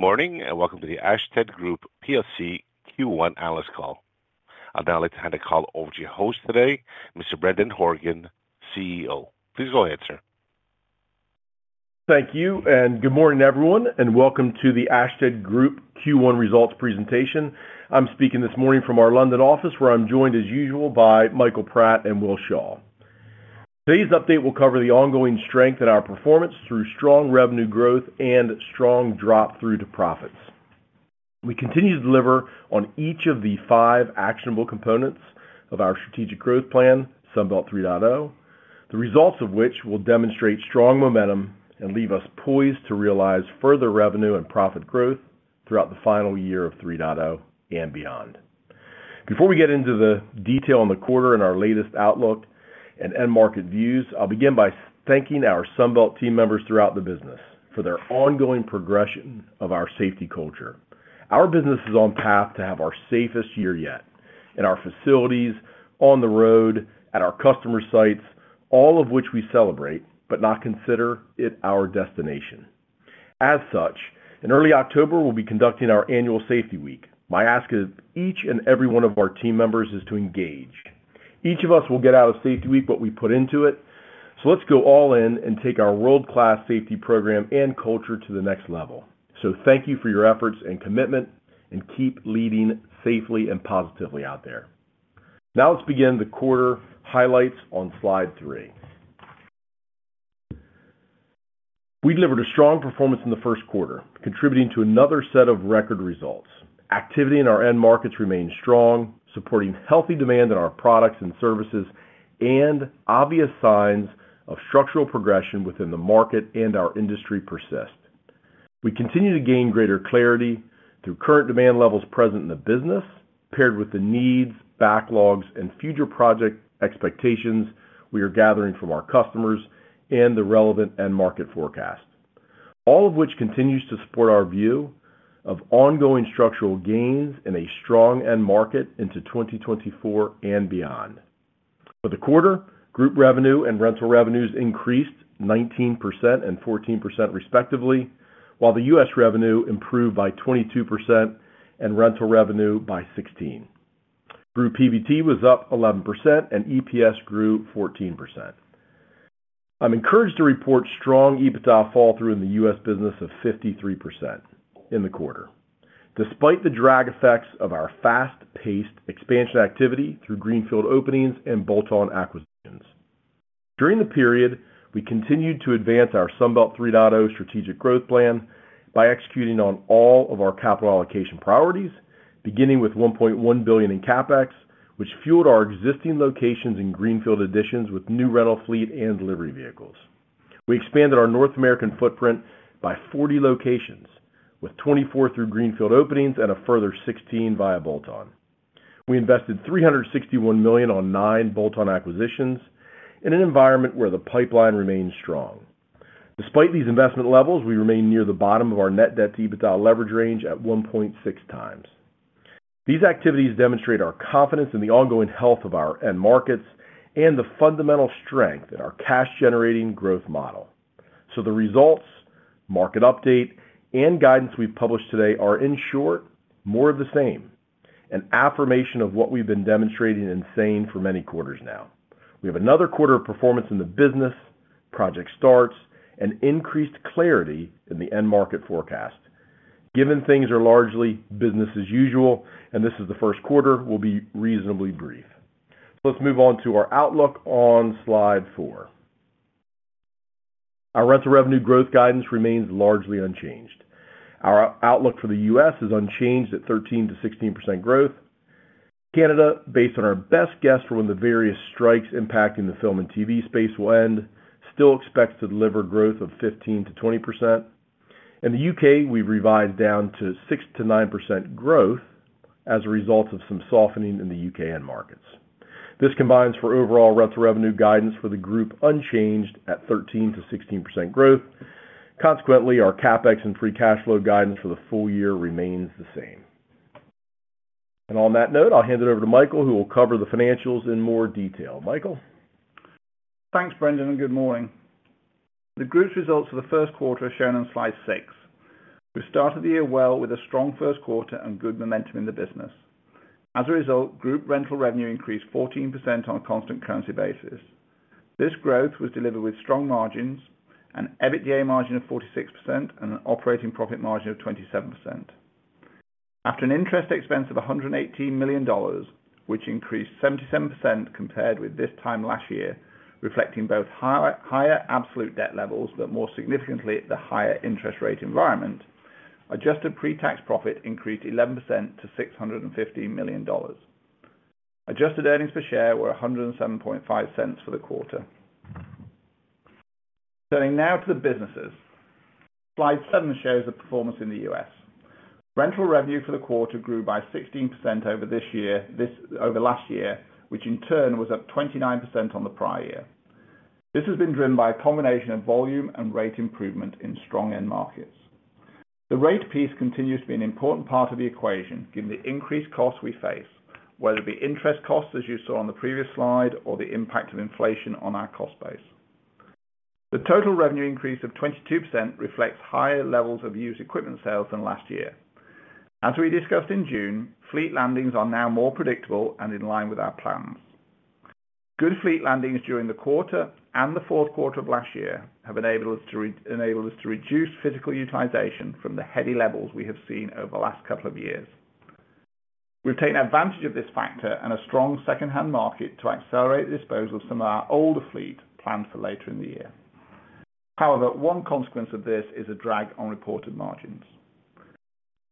Good morning, and welcome to the Ashtead Group plc Q1 analyst call. I'd now like to hand the call over to your host today, Mr. Brendan Horgan, CEO. Please go ahead, sir. Thank you, and good morning, everyone, and welcome to the Ashtead Group Q1 results presentation. I'm speaking this morning from our London office, where I'm joined, as usual, by Michael Pratt and Will Shaw. Today's update will cover the ongoing strength in our performance through strong revenue growth and strong drop-through to profits. We continue to deliver on each of the five actionable components of our strategic growth plan, Sunbelt 3.0, the results of which will demonstrate strong momentum and leave us poised to realize further revenue and profit growth throughout the final year of 3.0 and beyond. Before we get into the detail on the quarter and our latest outlook and end market views, I'll begin by thanking our Sunbelt team members throughout the business for their ongoing progression of our safety culture. Our business is on path to have our safest year yet in our facilities, on the road, at our customer sites, all of which we celebrate, but not consider it our destination. As such, in early October, we'll be conducting our annual safety week. My ask is each and every one of our team members is to engage. Each of us will get out of safety week what we put into it, so let's go all in and take our world-class safety program and culture to the next level. Thank you for your efforts and commitment, and keep leading safely and positively out there. Now let's begin the quarter highlights on slide three. We delivered a strong performance in the first quarter, contributing to another set of record results. Activity in our end markets remained strong, supporting healthy demand in our products and services, and obvious signs of structural progression within the market and our industry persist. We continue to gain greater clarity through current demand levels present in the business, paired with the needs, backlogs, and future project expectations we are gathering from our customers and the relevant end market forecast. All of which continues to support our view of ongoing structural gains in a strong end market into 2024 and beyond. For the quarter, group revenue and rental revenues increased 19% and 14%, respectively, while the U.S. revenue improved by 22% and rental revenue by 16%. Group PBT was up 11% and EPS grew 14%. I'm encouraged to report strong EBITDA flow-through in the U.S. business of 53% in the quarter, despite the drag effects of our fast-paced expansion activity through greenfield openings and bolt-on acquisitions. During the period, we continued to advance our Sunbelt 3.0 strategic growth plan by executing on all of our capital allocation priorities, beginning with $1.1 billion in CapEx, which fueled our existing locations in greenfield additions with new rental fleet and delivery vehicles. We expanded our North American footprint by 40 locations, with 24 through greenfield openings and a further 16 via bolt-on. We invested $361 million on 9 bolt-on acquisitions in an environment where the pipeline remains strong. Despite these investment levels, we remain near the bottom of our net debt to EBITDA leverage range at 1.6x. These activities demonstrate our confidence in the ongoing health of our end markets and the fundamental strength in our cash-generating growth model. So the results, market update, and guidance we've published today are, in short, more of the same, an affirmation of what we've been demonstrating and saying for many quarters now. We have another quarter of performance in the business, project starts, and increased clarity in the end market forecast. Given things are largely business as usual, and this is the first quarter, we'll be reasonably brief. So let's move on to our outlook on slide four. Our rental revenue growth guidance remains largely unchanged. Our outlook for the U.S. is unchanged at 13%-16% growth. Canada, based on our best guess from when the various strikes impacting the film and TV space will end, still expects to deliver growth of 15%-20%. In the U.K., we revised down to 6%-9% growth as a result of some softening in the U.K. end markets. This combines for overall rental revenue guidance for the group, unchanged at 13%-16% growth. Consequently, our CapEx and free cash flow guidance for the full year remains the same. And on that note, I'll hand it over to Michael, who will cover the financials in more detail. Michael? Thanks, Brendan, and good morning. The group's results for the first quarter are shown on slide six. We started the year well with a strong first quarter and good momentum in the business. As a result, group rental revenue increased 14% on a constant currency basis. This growth was delivered with strong margins and EBITDA margin of 46% and an operating profit margin of 27%. After an interest expense of $118 million, which increased 77% compared with this time last year, reflecting both higher absolute debt levels, but more significantly, the higher interest rate environment, adjusted pre-tax profit increased 11% to $650 million. Adjusted earnings per share were $1.075 for the quarter. Going now to the businesses. Slide seven shows the performance in the U.S. Rental revenue for the quarter grew by 16% over this year, over last year, which in turn was up 29% on the prior year. This has been driven by a combination of volume and rate improvement in strong end markets. The rate piece continues to be an important part of the equation, given the increased costs we face, whether it be interest costs, as you saw on the previous slide, or the impact of inflation on our cost base. The total revenue increase of 22% reflects higher levels of used equipment sales than last year. As we discussed in June, fleet landings are now more predictable and in line with our plans. Good fleet landings during the quarter and the fourth quarter of last year have enabled us to reduce physical utilization from the heady levels we have seen over the last couple of years. We've taken advantage of this factor and a strong secondhand market to accelerate the disposal of some of our older fleet planned for later in the year. However, one consequence of this is a drag on reported margins.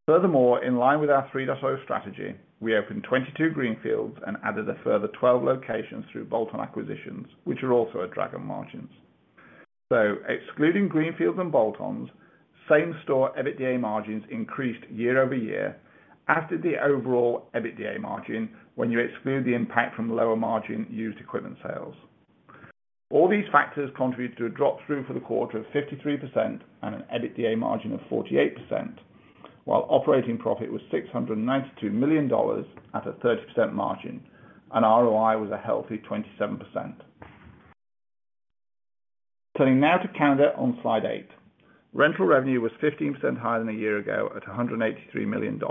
Furthermore, in line with our 3.0 strategy, we opened 22 greenfields and added a further 12 locations through bolt-on acquisitions, which are also a drag on margins. So excluding greenfields and bolt-ons, same-store EBITDA margins increased year-over-year, as did the overall EBITDA margin when you exclude the impact from the lower margin used equipment sales. All these factors contributed to a drop-through for the quarter of 53% and an EBITDA margin of 48%, while operating profit was $692 million at a 30% margin, and ROI was a healthy 27%. Turning now to Canada on slide eight. Rental revenue was 15% higher than a year ago at $183 million.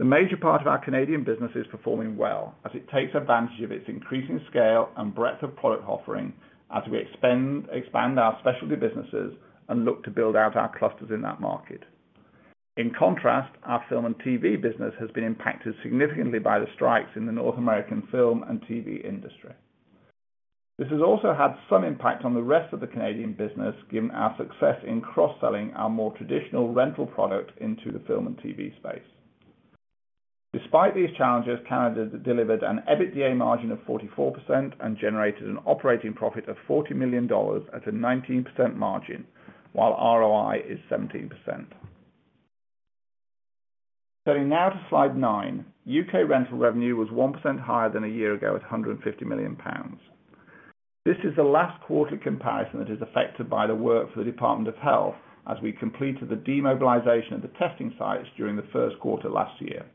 The major part of our Canadian business is performing well as it takes advantage of its increasing scale and breadth of product offering as we expand our specialty businesses and look to build out our clusters in that market. In contrast, our film and TV business has been impacted significantly by the strikes in the North American film and TV industry. This has also had some impact on the rest of the Canadian business, given our success in cross-selling our more traditional rental product into the film and TV space. Despite these challenges, Canada delivered an EBITDA margin of 44% and generated an operating profit of $40 million at a 19% margin, while ROI is 17%. Turning now to slide nine. U.K. rental revenue was 1% higher than a year ago, at 150 million pounds. This is the last quarter comparison that is affected by the work for the Department of Health as we completed the demobilization of the testing sites during the first quarter last year.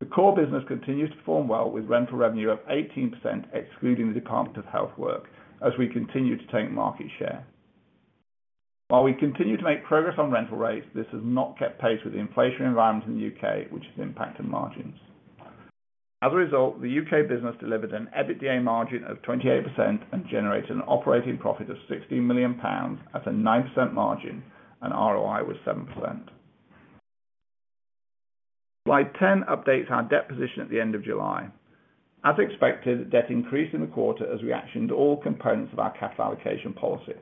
The core business continues to perform well, with rental revenue up 18%, excluding the Department of Health work, as we continue to take market share. While we continue to make progress on rental rates, this has not kept pace with the inflation environment in the U.K., which has impacted margins. As a result, the U.K. business delivered an EBITDA margin of 28% and generated an operating profit of 60 million pounds at a 9% margin, and ROI was 7%. Slide 10 updates our debt position at the end of July. As expected, debt increased in the quarter as we actioned all components of our capital allocation policy,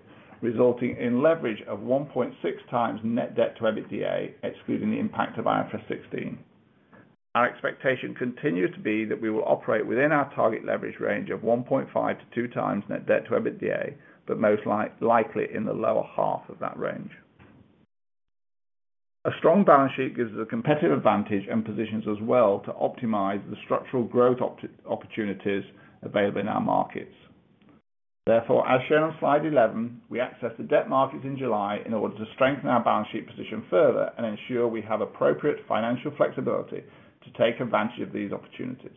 resulting in leverage of 1.6 times net debt to EBITDA, excluding the impact of IFRS 16. Our expectation continues to be that we will operate within our target leverage range of 1.5-2x net debt to EBITDA, but most likely in the lower half of that range. A strong balance sheet gives us a competitive advantage and positions us well to optimize the structural growth opportunities available in our markets. Therefore, as shown on slide 11, we accessed the debt markets in July in order to strengthen our balance sheet position further and ensure we have appropriate financial flexibility to take advantage of these opportunities.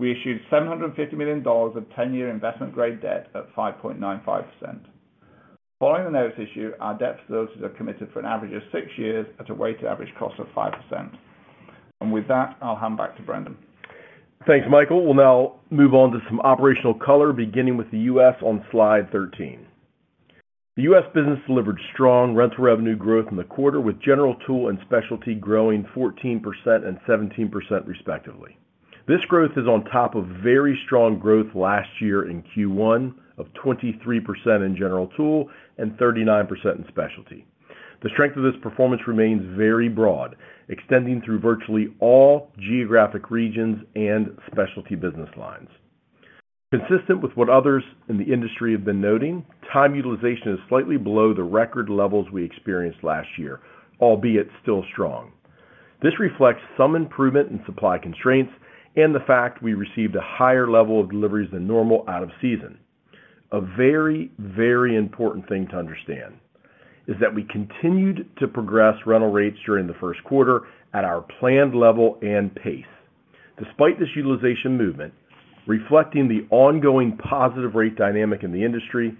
We issued $750 million of ten-year investment-grade debt at 5.95%. Following the notes issue, our debt facilities are committed for an average of six years at a weighted average cost of 5%. With that, I'll hand back to Brendan. Thanks, Michael. We'll now move on to some operational color, beginning with the U.S. on slide 13. The U.S. business delivered strong rental revenue growth in the quarter, with general tool and specialty growing 14% and 17% respectively. This growth is on top of very strong growth last year in Q1 of 23% in general tool and 39% in specialty. The strength of this performance remains very broad, extending through virtually all geographic regions and specialty business lines. Consistent with what others in the industry have been noting, time utilization is slightly below the record levels we experienced last year, albeit still strong. This reflects some improvement in supply constraints and the fact we received a higher level of deliveries than normal out of season. A very, very important thing to understand is that we continued to progress rental rates during the first quarter at our planned level and pace. Despite this utilization movement, reflecting the ongoing positive rate dynamic in the industry,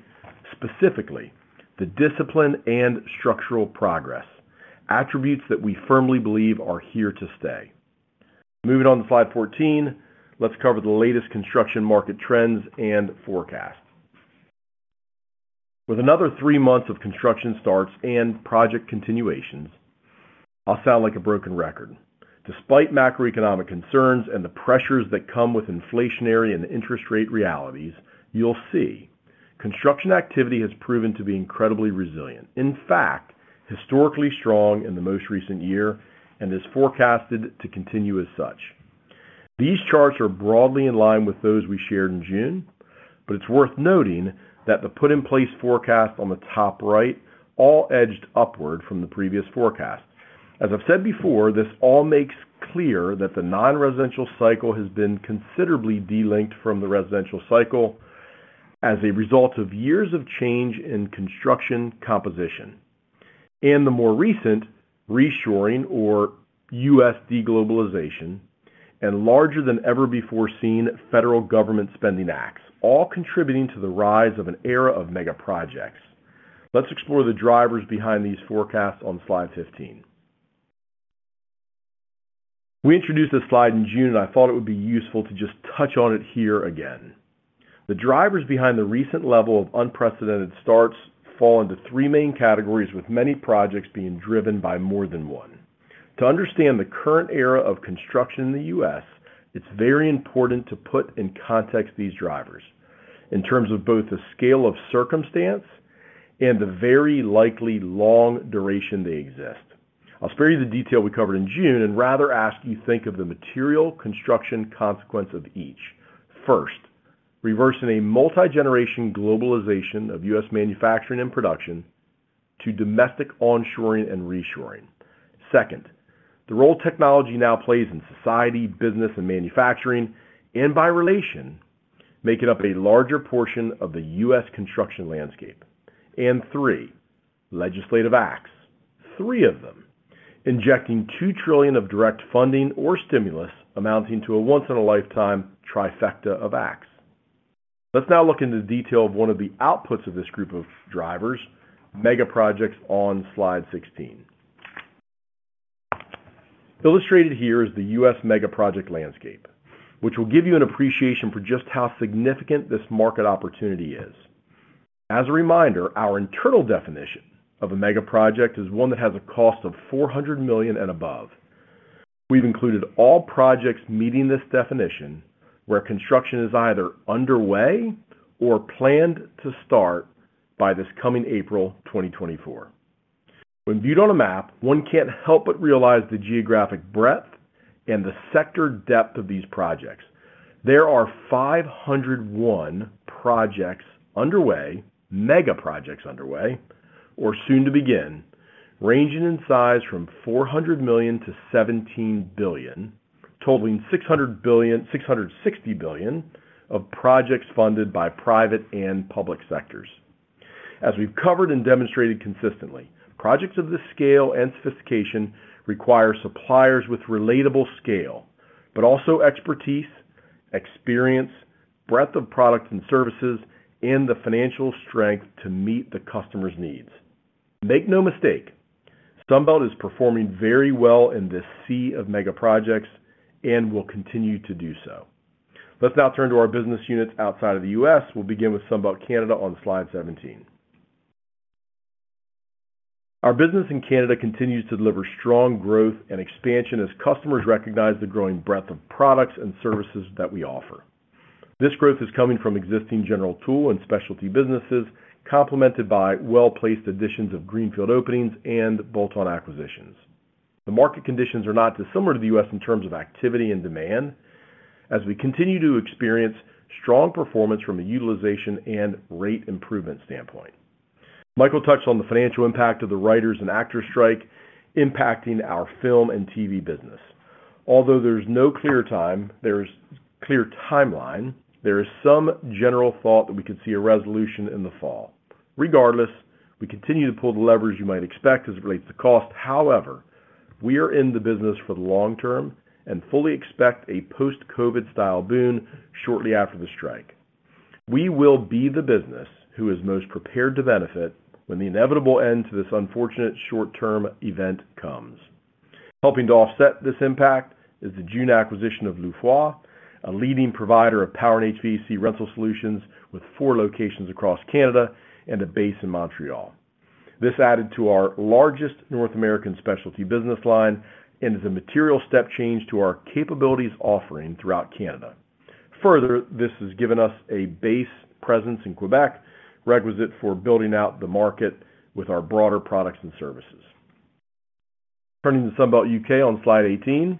specifically the discipline and structural progress, attributes that we firmly believe are here to stay. Moving on to slide 14, let's cover the latest construction market trends and forecasts. With another three months of construction starts and project continuations, I'll sound like a broken record. Despite macroeconomic concerns and the pressures that come with inflationary and interest rate realities, you'll see construction activity has proven to be incredibly resilient. In fact, historically strong in the most recent year and is forecasted to continue as such. These charts are broadly in line with those we shared in June, but it's worth noting that the put in place forecast on the top right all edged upward from the previous forecast. As I've said before, this all makes clear that the non-residential cycle has been considerably delinked from the residential cycle as a result of years of change in construction composition... and the more recent reshoring or U.S. de-globalization, and larger than ever before seen federal government spending acts, all contributing to the rise of an era of mega projects. Let's explore the drivers behind these forecasts on slide 15. We introduced this slide in June, and I thought it would be useful to just touch on it here again. The drivers behind the recent level of unprecedented starts fall into three main categories, with many projects being driven by more than one. To understand the current era of construction in the U.S., it's very important to put in context these drivers, in terms of both the scale of circumstance and the very likely long duration they exist. I'll spare you the detail we covered in June and rather ask you think of the material construction consequence of each. First, reversing a multi-generation globalization of U.S. manufacturing and production to domestic onshoring and reshoring. Second, the role technology now plays in society, business, and manufacturing, and by relation, making up a larger portion of the U.S. construction landscape. And three, legislative acts. Three of them, injecting $2 trillion of direct funding or stimulus, amounting to a once-in-a-lifetime trifecta of acts. Let's now look into the detail of one of the outputs of this group of drivers, mega projects on Slide 16. Illustrated here is the U.S. mega project landscape, which will give you an appreciation for just how significant this market opportunity is. As a reminder, our internal definition of a mega project is one that has a cost of $400 million and above. We've included all projects meeting this definition, where construction is either underway or planned to start by this coming April 2024. When viewed on a map, one can't help but realize the geographic breadth and the sector depth of these projects. There are 501 projects underway, mega projects underway, or soon to begin, ranging in size from $400 million to $17 billion, totaling $660 billion of projects funded by private and public sectors. As we've covered and demonstrated consistently, projects of this scale and sophistication require suppliers with relatable scale, but also expertise, experience, breadth of products and services, and the financial strength to meet the customer's needs. Make no mistake, Sunbelt is performing very well in this sea of mega projects and will continue to do so. Let's now turn to our business units outside of the U.S. We'll begin with Sunbelt Canada on slide 17. Our business in Canada continues to deliver strong growth and expansion as customers recognize the growing breadth of products and services that we offer. This growth is coming from existing general tool and specialty businesses, complemented by well-placed additions of greenfield openings and bolt-on acquisitions. The market conditions are not dissimilar to the U.S. in terms of activity and demand, as we continue to experience strong performance from a utilization and rate improvement standpoint. Michael touched on the financial impact of the writers and actors strike impacting our film and TV business. Although there's no clear timeline, there is some general thought that we could see a resolution in the fall. Regardless, we continue to pull the levers you might expect as it relates to cost. However, we are in the business for the long term and fully expect a post-COVID style boom shortly after the strike. We will be the business who is most prepared to benefit when the inevitable end to this unfortunate short-term event comes. Helping to offset this impact is the June acquisition of Loue Froid, a leading provider of power and HVAC rental solutions, with four locations across Canada and a base in Montreal. This added to our largest North American specialty business line and is a material step change to our capabilities offering throughout Canada. Further, this has given us a base presence in Quebec, requisite for building out the market with our broader products and services. Turning to Sunbelt U.K. on slide 18.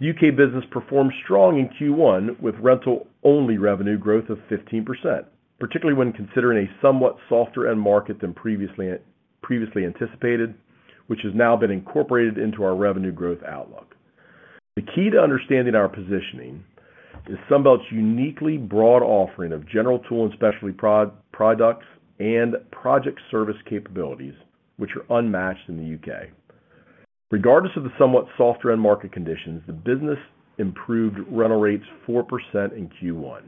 U.K. business performed strong in Q1, with rental-only revenue growth of 15%, particularly when considering a somewhat softer end market than previously, previously anticipated, which has now been incorporated into our revenue growth outlook. The key to understanding our positioning is Sunbelt's uniquely broad offering of general tool and specialty products and project service capabilities, which are unmatched in the U.K. Regardless of the somewhat softer end market conditions, the business improved rental rates 4% in Q1.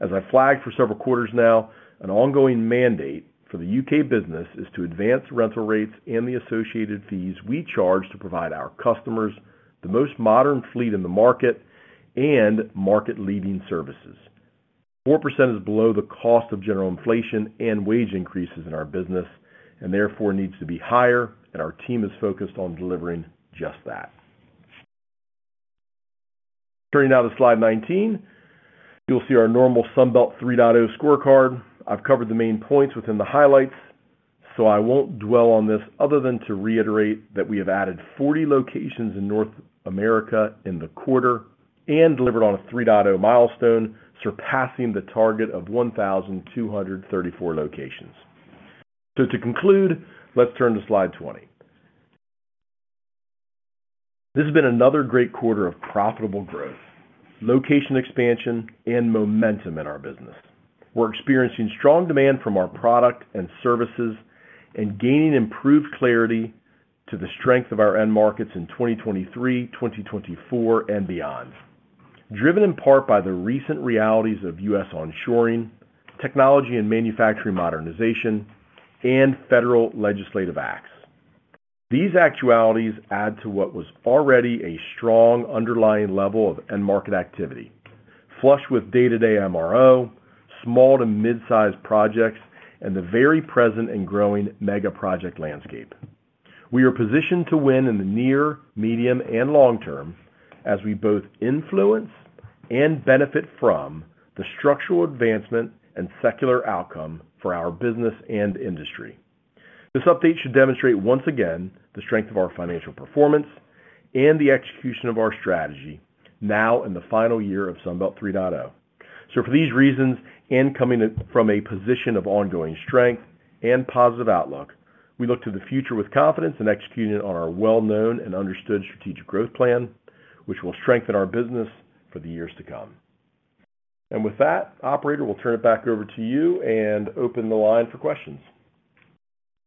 As I flagged for several quarters now, an ongoing mandate for the UK business is to advance rental rates and the associated fees we charge to provide our customers the most modern fleet in the market and market-leading services. 4% is below the cost of general inflation and wage increases in our business, and therefore needs to be higher, and our team is focused on delivering just that. Turning now to slide 19, you'll see our normal Sunbelt 3.0 scorecard. I've covered the main points within the highlights, so I won't dwell on this other than to reiterate that we have added 40 locations in North America in the quarter and delivered on a 3.0 milestone, surpassing the target of 1,234 locations. So to conclude, let's turn to slide 20. This has been another great quarter of profitable growth, location expansion, and momentum in our business. We're experiencing strong demand from our products and services and gaining improved clarity to the strength of our end markets in 2023, 2024, and beyond, driven in part by the recent realities of U.S. onshoring, technology and manufacturing modernization, and federal legislative acts. These actualities add to what was already a strong underlying level of end market activity, flush with day-to-day MRO, small to mid-sized projects, and the very present and growing mega project landscape. We are positioned to win in the near, medium, and long term as we both influence and benefit from the structural advancement and secular outcome for our business and industry. This update should demonstrate once again the strength of our financial performance and the execution of our strategy now in the final year of Sunbelt 3.0. So for these reasons, and coming from a position of ongoing strength and positive outlook, we look to the future with confidence in executing on our well-known and understood strategic growth plan, which will strengthen our business for the years to come. And with that, operator, we'll turn it back over to you and open the line for questions.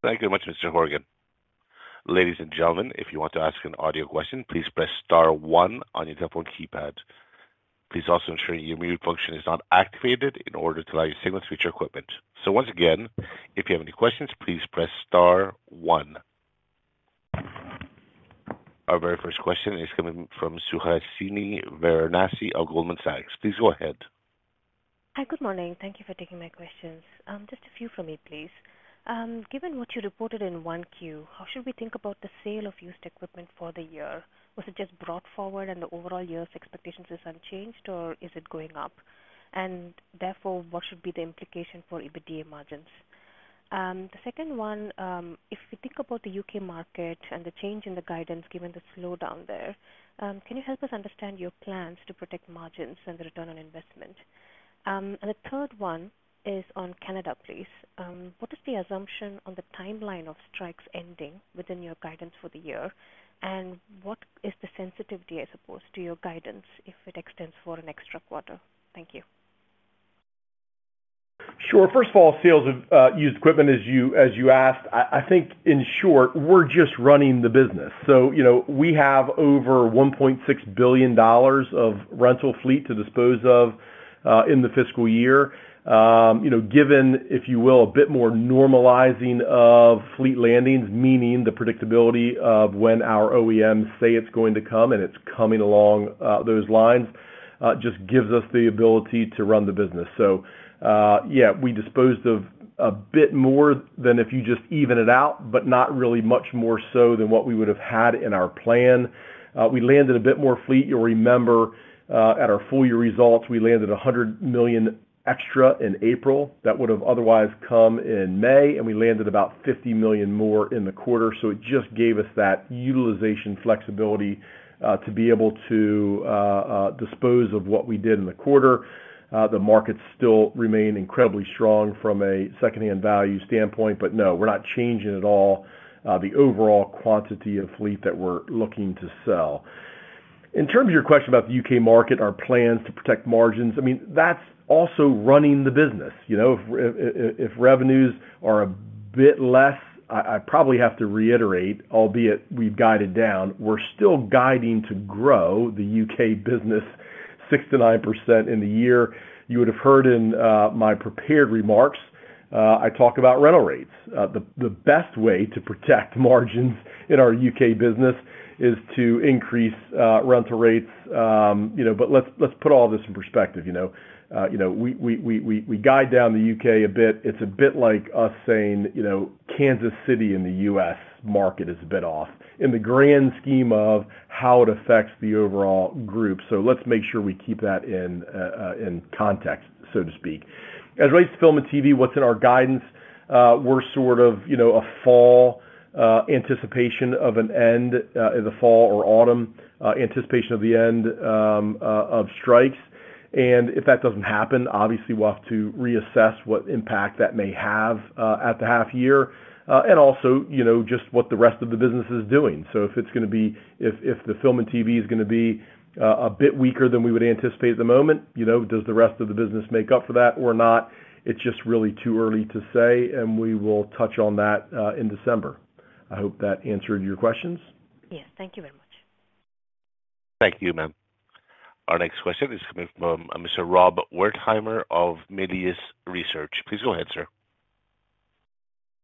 Thank you very much, Mr. Horgan. Ladies and gentlemen, if you want to ask an audio question, please press star one on your telephone keypad. Please also ensure your mute function is not activated in order to allow your signal to reach your equipment. Once again, if you have any questions, please press star one. Our very first question is coming from Suhasini Varanasi of Goldman Sachs. Please go ahead. Hi, good morning. Thank you for taking my questions. Just a few from me, please. Given what you reported in 1Q, how should we think about the sale of used equipment for the year? Was it just brought forward and the overall year's expectations is unchanged, or is it going up? And therefore, what should be the implication for EBITDA margins? The second one, if we think about the U.K. market and the change in the guidance, given the slowdown there, can you help us understand your plans to protect margins and the return on investment? And the third one is on Canada, please. What is the assumption on the timeline of strikes ending within your guidance for the year? And what is the sensitivity, I suppose, to your guidance if it extends for an extra quarter? Thank you. Sure. First of all, sales of used equipment, as you asked, I think in short, we're just running the business. So, you know, we have over $1.6 billion of rental fleet to dispose of in the fiscal year. You know, given, if you will, a bit more normalizing of fleet landings, meaning the predictability of when our OEMs say it's going to come and it's coming along those lines, just gives us the ability to run the business. So, yeah, we disposed of a bit more than if you just even it out, but not really much more so than what we would have had in our plan. We landed a bit more fleet. You'll remember, at our full year results, we landed $100 million extra in April. That would have otherwise come in May, and we landed about $50 million more in the quarter. So it just gave us that utilization flexibility to be able to dispose of what we did in the quarter. The markets still remain incredibly strong from a secondhand value standpoint, but no, we're not changing at all the overall quantity of fleet that we're looking to sell. In terms of your question about the U.K. market, our plans to protect margins, I mean, that's also running the business. You know, if, if, if revenues are a bit less, I, I probably have to reiterate, albeit we've guided down, we're still guiding to grow the U.K. business 6%-9% in the year. You would have heard in my prepared remarks, I talk about rental rates. The best way to protect margins in our U.K. business is to increase rental rates. You know, but let's put all this in perspective, you know. You know, we guide down the U.K. a bit. It's a bit like us saying, you know, Kansas City in the U.S. market is a bit off in the grand scheme of how it affects the overall group. So let's make sure we keep that in context, so to speak. As it relates to film and TV, what's in our guidance, we're sort of, you know, a fall anticipation of an end in the fall or autumn anticipation of the end of strikes. If that doesn't happen, obviously, we'll have to reassess what impact that may have at the half year, and also, you know, just what the rest of the business is doing. If it's gonna be, if the film and TV is gonna be a bit weaker than we would anticipate at the moment, you know, does the rest of the business make up for that or not? It's just really too early to say, and we will touch on that in December. I hope that answered your questions. Yes, thank you very much. Thank you, ma'am. Our next question is coming from Mr. Rob Wertheimer of Melius Research. Please go ahead, sir.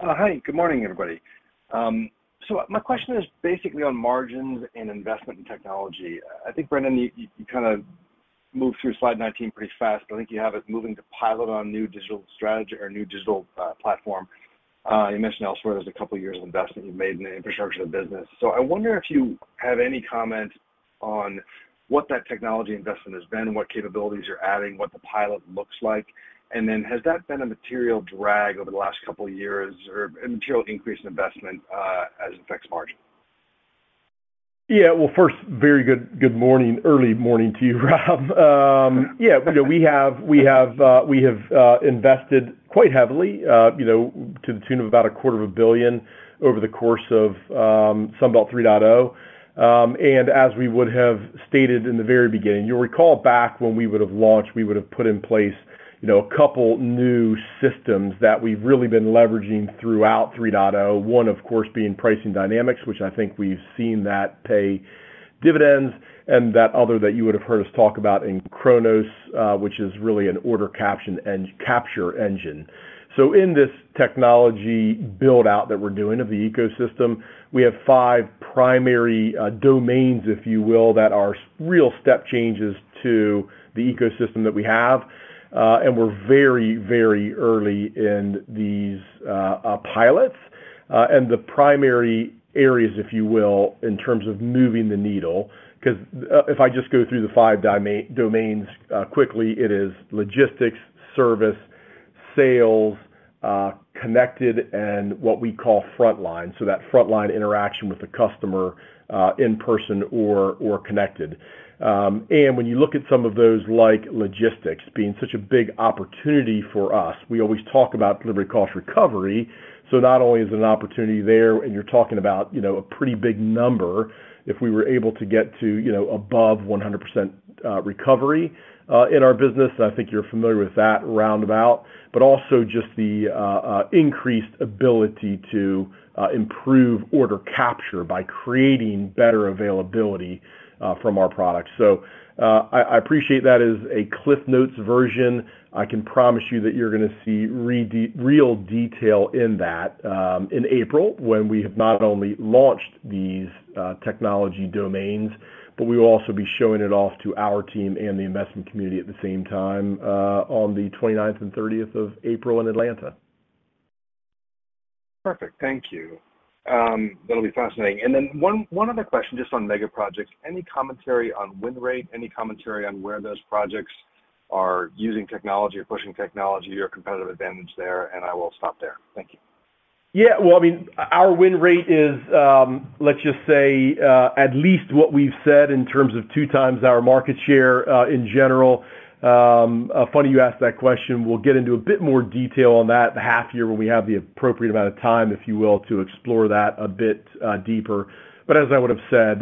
Hi, good morning, everybody. So my question is basically on margins and investment in technology. I think, Brendan, you kinda moved through slide 19 pretty fast, but I think you have it moving to pilot on new digital strategy or new digital platform. You mentioned elsewhere there's a couple of years of investment you've made in the infrastructure of the business. So I wonder if you have any comment on what that technology investment has been, what capabilities you're adding, what the pilot looks like, and then has that been a material drag over the last couple of years or a material increase in investment as it affects margin? Yeah, well, first, very good, good morning, early morning to you, Rob. Yeah, you know, we have invested quite heavily, you know, to the tune of about $250 million over the course of Sunbelt 3.0. And as we would have stated in the very beginning, you'll recall back when we would have launched, we would have put in place, you know, a couple new systems that we've really been leveraging throughout 3.0. One, of course, being pricing dynamics, which I think we've seen that pay dividends, and that other that you would have heard us talk about in Wynne, which is really an order capture engine. So in this technology build-out that we're doing of the ecosystem, we have five primary domains, if you will, that are real step changes to the ecosystem that we have. And we're very, very early in these pilots, and the primary areas, if you will, in terms of moving the needle, 'cause if I just go through the five domains quickly, it is logistics, service, sales, connected, and what we call frontline. So that frontline interaction with the customer in person or connected. And when you look at some of those like logistics, being such a big opportunity for us, we always talk about delivery cost recovery. So not only is it an opportunity there, and you're talking about, you know, a pretty big number, if we were able to get to, you know, above 100%, recovery, in our business, I think you're familiar with that roundabout, but also just the increased ability to improve order capture by creating better availability from our products. So, I appreciate that as a CliffsNotes version. I can promise you that you're gonna see real detail in that, in April, when we have not only launched these technology domains, but we will also be showing it off to our team and the investment community at the same time, on the twenty-ninth and thirtieth of April in Atlanta. Perfect. Thank you. That'll be fascinating. And then one other question, just on mega projects. Any commentary on win rate? Any commentary on where those projects are using technology or pushing technology or competitive advantage there? And I will stop there. Thank you. Yeah, well, I mean, our win rate is, let's just say, at least what we've said in terms of two times our market share, in general. Funny you ask that question. We'll get into a bit more detail on that half year when we have the appropriate amount of time, if you will, to explore that a bit deeper. But as I would have said,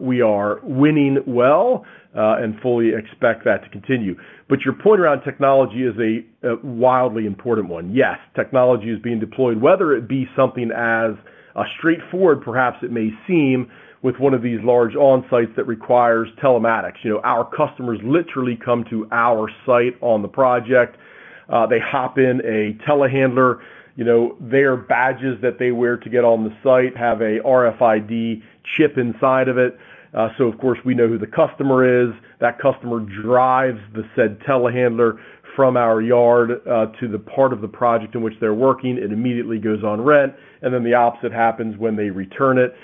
we are winning well, and fully expect that to continue. But your point around technology is a wildly important one. Yes, technology is being deployed, whether it be something as straightforward, perhaps it may seem, with one of these large on-sites that requires telematics. You know, our customers literally come to our site on the project. They hop in a telehandler, you know, their badges that they wear to get on the site have a RFID chip inside of it. So, of course, we know who the customer is. That customer drives the said telehandler from our yard to the part of the project in which they're working. It immediately goes on rent, and then the opposite happens when they return it.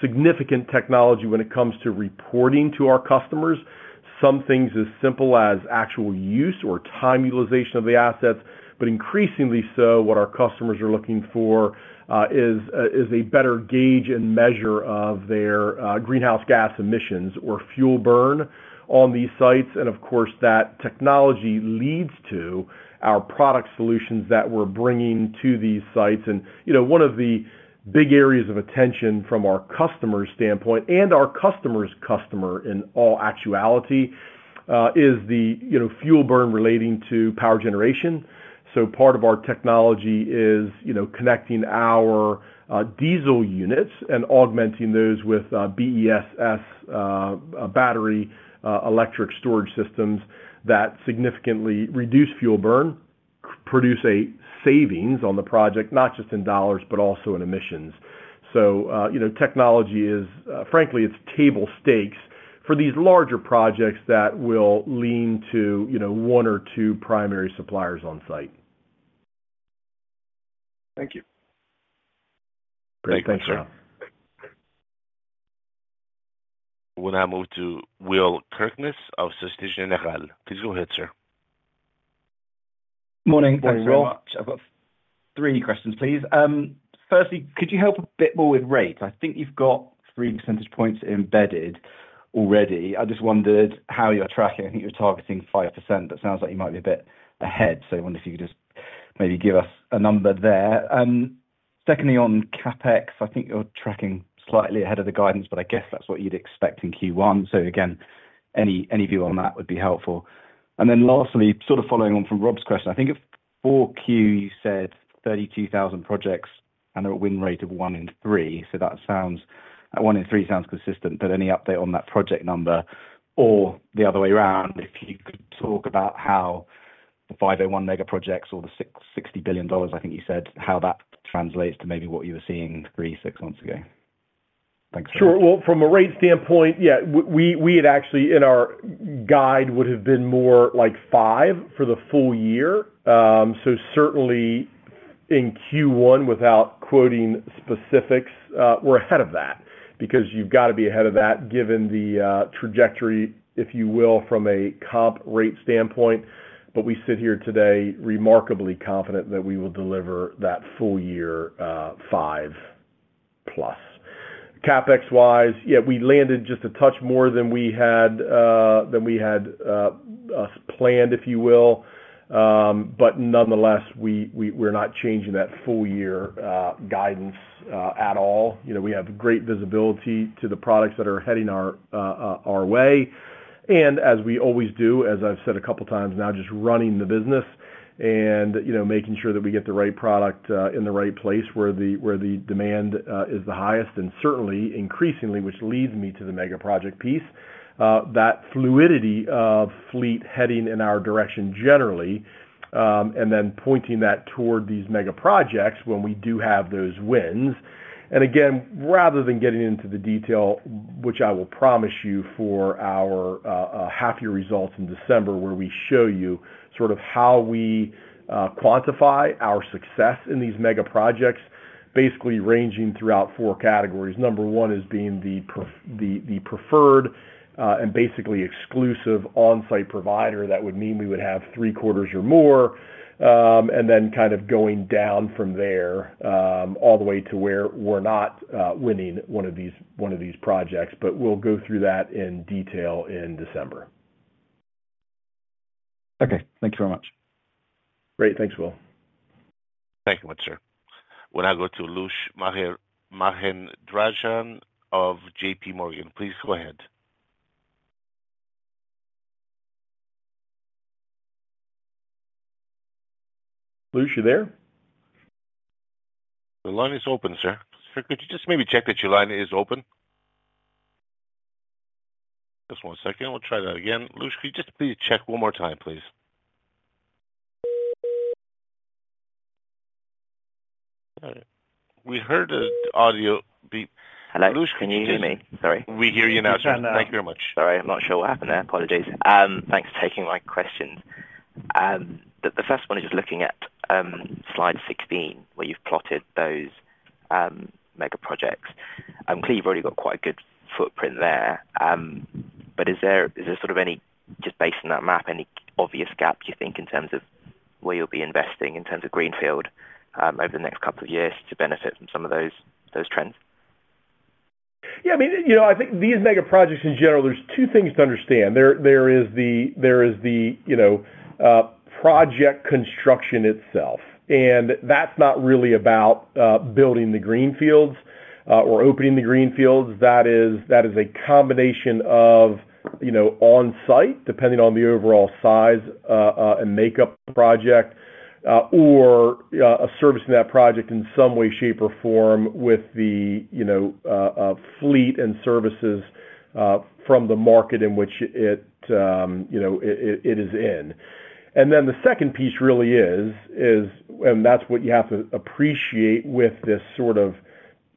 Significant technology when it comes to reporting to our customers. Some things as simple as actual use or time utilization of the assets, but increasingly so, what our customers are looking for is a better gauge and measure of their greenhouse gas emissions or fuel burn on these sites. And of course, that technology leads to our product solutions that we're bringing to these sites. You know, one of the big areas of attention from our customer's standpoint, and our customer's customer, in all actuality, is the fuel burn relating to power generation. So part of our technology is, you know, connecting our diesel units and augmenting those with BESS, battery electric storage systems that significantly reduce fuel burn, produce a savings on the project, not just in dollars, but also in emissions. So, you know, technology is frankly, it's table stakes for these larger projects that will lean to, you know, one or two primary suppliers on site. Thank you. Great. Thanks, Rob. We now move to Will Kirkness of Société Générale. Please go ahead, sir. Morning. Thank you so much. Morning, Will. I've got three questions, please. Firstly, could you help a bit more with rates? I think you've got 3 percentage points embedded already. I just wondered how you're tracking. I think you're targeting 5%, but sounds like you might be a bit ahead. So I wonder if you could just maybe give us a number there. Secondly, on CapEx, I think you're tracking slightly ahead of the guidance, but I guess that's what you'd expect in Q1. So again, any view on that would be helpful. And then lastly, sort of following on from Rob's question, I think at Q4, you said 32,000 projects and a win rate of 1 in 3. So that sounds 1 in 3 sounds consistent, but any update on that project number? Or the other way around, if you could talk about how the 5.1 mega projects or the $60 billion, I think you said, how that translates to maybe what you were seeing three, six months ago. Thanks. Sure. Well, from a rate standpoint, yeah, we had actually, in our guide, would have been more like 5 for the full year. So certainly in Q1, without quoting specifics, we're ahead of that, because you've got to be ahead of that given the trajectory, if you will, from a comp rate standpoint. But we sit here today remarkably confident that we will deliver that full year 5+. CapEx wise, yeah, we landed just a touch more than we had planned, if you will. But nonetheless, we're not changing that full year guidance at all. You know, we have great visibility to the products that are heading our, our way, and as we always do, as I've said a couple of times now, just running the business and, you know, making sure that we get the right product, in the right place where the, where the demand, is the highest, and certainly increasingly, which leads me to the mega project piece. That fluidity of fleet heading in our direction generally, and then pointing that toward these mega projects when we do have those wins. And again, rather than getting into the detail, which I will promise you for our, half year results in December, where we show you sort of how we, quantify our success in these mega projects, basically ranging throughout four categories. Number 1 is being the preferred and basically exclusive on-site provider. That would mean we would have three quarters or more, and then kind of going down from there, all the way to where we're not winning one of these, one of these projects. But we'll go through that in detail in December. Okay, thank you very much. Great. Thanks, Will. Thank you much, sir. We'll now go to Lush Mahendrarajah of JPMorgan. Please go ahead. Lush, you there? The line is open, sir. Sir, could you just maybe check that your line is open? Just one second, we'll try that again. Lush, could you just please check one more time, please? All right. We heard the audio beep. Hello, can you hear me? Sorry. Sorry, I'm not sure what happened there. Apologies. Thanks for taking my question. The first one is just looking at slide 16, where you've plotted those mega projects. I'm clear you've already got quite a good footprint there, but is there sort of any, just based on that map, any obvious gaps, you think, in terms of where you'll be investing, in terms of greenfield over the next couple of years to benefit from some of those trends? Yeah, I mean, you know, I think these mega projects in general, there's two things to understand. There is the project construction itself, and that's not really about building the greenfields or opening the greenfields. That is a combination of, you know, on-site, depending on the overall size and makeup project, or a service in that project in some way, shape, or form with the, you know, fleet and services from the market in which it, you know, it is in. And then the second piece really is, and that's what you have to appreciate with this sort of,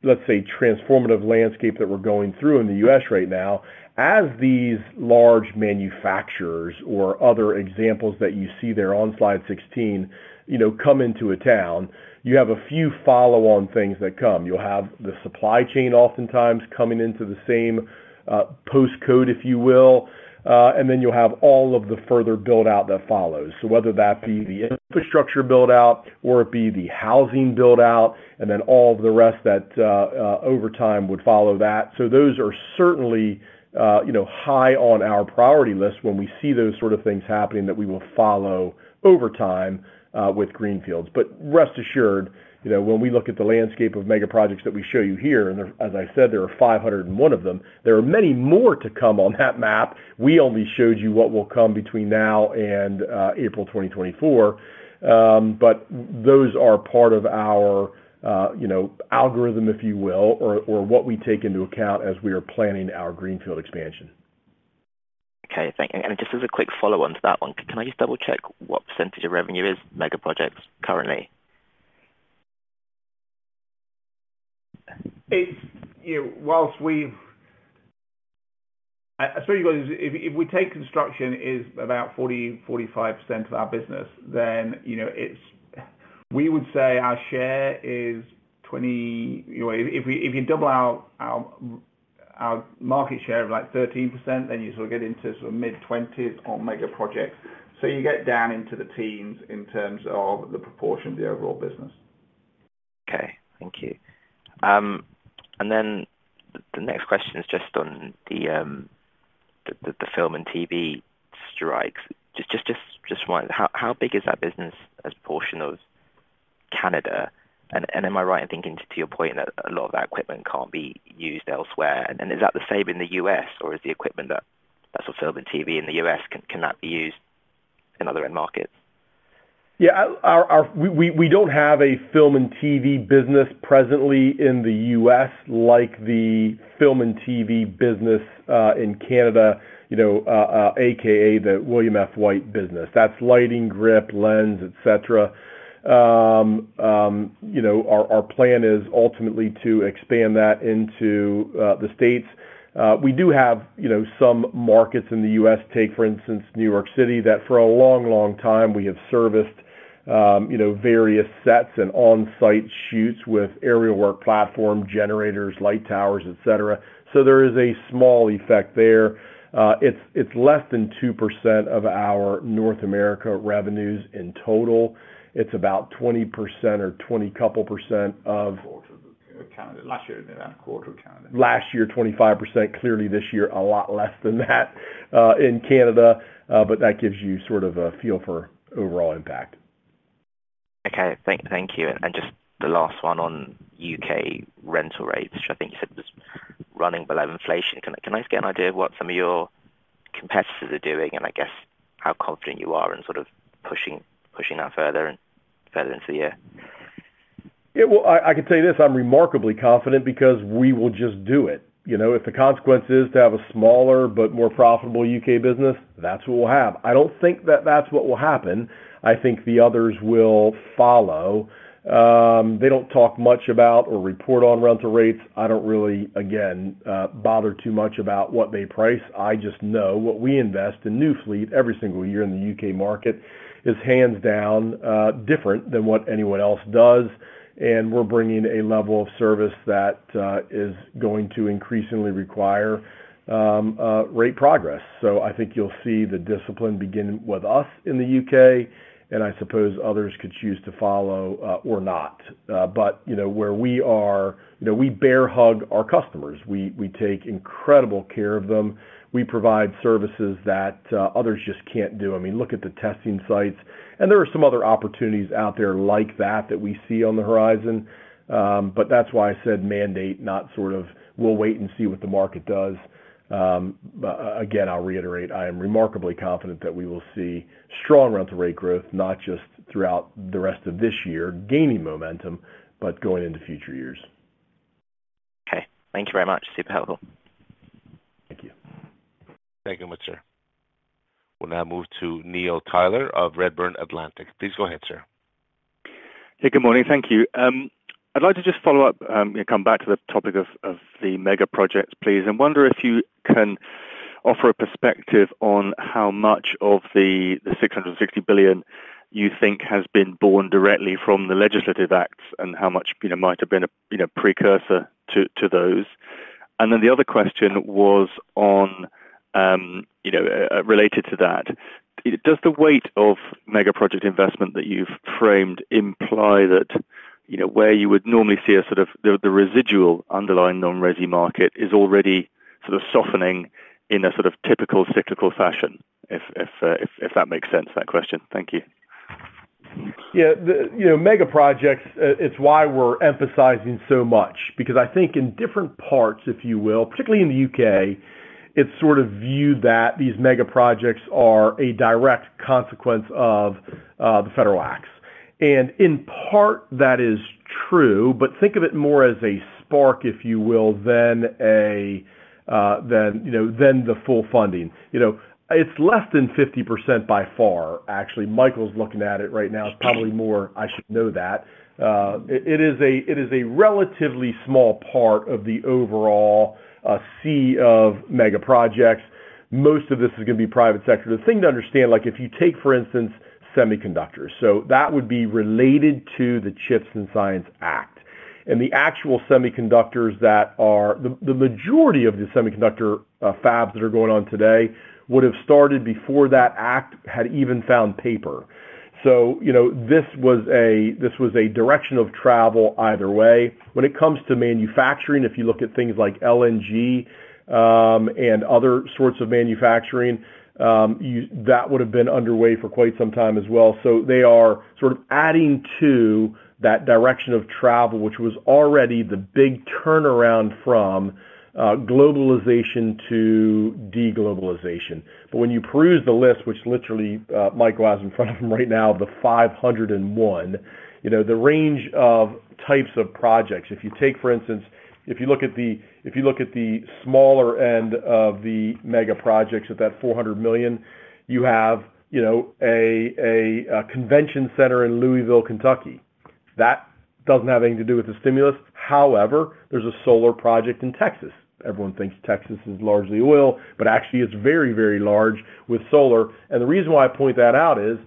let's say, transformative landscape that we're going through in the U.S. right now. As these large manufacturers or other examples that you see there on slide 16, you know, come into a town, you have a few follow-on things that come. You'll have the supply chain oftentimes coming into the same, post code, if you will, and then you'll have all of the further build-out that follows. So whether that be the infrastructure build-out or it be the housing build-out, and then all the rest that, over time would follow that. So those are certainly, you know, high on our priority list when we see those sort of things happening, that we will follow over time, with greenfields. But rest assured, you know, when we look at the landscape of mega projects that we show you here, and as I said, there are 501 of them, there are many more to come on that map. We only showed you what will come between now and April 2024. But those are part of our, you know, algorithm, if you will, or what we take into account as we are planning our greenfield expansion. Okay, thank you. And just as a quick follow-on to that one, can I just double-check what percentage of revenue is mega projects currently? It's, you know, while we've... I'll tell you what it is, if we, if we take construction is about 40%-45% of our business, then, you know, it's—we would say our share is 20. You know, if you, if you double our, our, our market share of, like, 13%, then you sort of get into sort of mid-20s on mega projects. So you get down into the teens in terms of the proportion of the overall business. Okay, thank you. And then the next question is just on the film and TV strikes. Just wonder, how big is that business as a portion of Canada? And am I right in thinking, to your point, that a lot of that equipment can't be used elsewhere? And is that the same in the U.S., or is the equipment that's on film and TV in the U.S. cannot be used in other end markets? Yeah, we don't have a film and TV business presently in the U.S., like the film and TV business in Canada, you know, aka the William F. White business. That's lighting, grip, lens, et cetera. You know, our plan is ultimately to expand that into the States. We do have, you know, some markets in the U.S., take for instance, New York City, that for a long, long time we have serviced, you know, various sets and on-site shoots with aerial work platform, generators, light towers, et cetera. So there is a small effect there. It's less than 2% of our North America revenues in total. It's about 20% or a couple percent of- But Canada, last year, around a quarter of Canada. Last year, 25%. Clearly this year, a lot less than that, in Canada. But that gives you sort of a feel for overall impact. Okay. Thank you. And just the last one on U.K. rental rates, which I think you said was running below inflation. Can I just get an idea of what some of your competitors are doing, and I guess how confident you are in sort of pushing that further and further into the year? Yeah, well, I can tell you this, I'm remarkably confident because we will just do it. You know, if the consequence is to have a smaller but more profitable U.K. business, that's what we'll have. I don't think that that's what will happen. I think the others will follow. They don't talk much about or report on rental rates. I don't really, again, bother too much about what they price. I just know what we invest in new fleet every single year in the UK market is hands down different than what anyone else does, and we're bringing a level of service that is going to increasingly require rate progress. So I think you'll see the discipline begin with us in the U.K., and I suppose others could choose to follow or not. But, you know, where we are... you know, we bear hug our customers. We, we take incredible care of them. We provide services that others just can't do. I mean, look at the testing sites, and there are some other opportunities out there like that that we see on the horizon. But that's why I said mandate, not sort of we'll wait and see what the market does. But again, I'll reiterate, I am remarkably confident that we will see strong rental rate growth, not just throughout the rest of this year, gaining momentum, but going into future years. Okay. Thank you very much. Super helpful. Thank you. Thank you much, sir. We'll now move to Neil Tyler of Redburn Atlantic. Please go ahead, sir. Hey, good morning. Thank you. I'd like to just follow up and come back to the topic of the mega projects, please. I wonder if you can offer a perspective on how much of the $660 billion you think has been born directly from the legislative acts, and how much, you know, might have been a, you know, precursor to those? And then the other question was on, you know, related to that: Does the weight of mega project investment that you've framed imply that, you know, where you would normally see a sort of the, the residual underlying non-resi market is already sort of softening in a sort of typical cyclical fashion? If that makes sense, that question. Thank you. Yeah, you know, the mega projects, it's why we're emphasizing so much, because I think in different parts, if you will, particularly in the U.K., it's sort of viewed that these mega projects are a direct consequence of, the federal acts. And in part, that is true, but think of it more as a spark, if you will, than a, than, you know, than the full funding. You know, it's less than 50% by far. Actually, Michael's looking at it right now. It's probably more, I should know that. It is a relatively small part of the overall, sea of mega projects. Most of this is gonna be private sector. The thing to understand, like, if you take, for instance, semiconductors, so that would be related to the CHIPS and Science Act. And the actual semiconductors that are...The majority of the semiconductor fabs that are going on today would have started before that act had even found paper. So, you know, this was a direction of travel either way. When it comes to manufacturing, if you look at things like LNG and other sorts of manufacturing, that would have been underway for quite some time as well. So they are sort of adding to that direction of travel, which was already the big turnaround from globalization to de-globalization. But when you peruse the list, which literally, Michael has in front of him right now, the 501, you know, the range of types of projects, if you take, for instance, if you look at the smaller end of the megaprojects, at that $400 million, you have, you know, a convention center in Louisville, Kentucky. That doesn't have anything to do with the stimulus. However, there's a solar project in Texas. Everyone thinks Texas is largely oil, but actually it's very, very large with solar. And the reason why I point that out is,